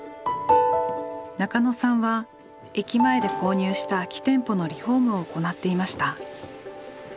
中野さんは駅前で購入した空き店舗のリフォームを行っていました。